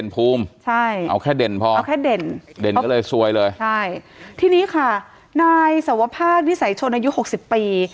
เป็นสวยเลยใช่ที่นี้ค่ะนายสาวภาควิสัยชนอายุหกสิบปี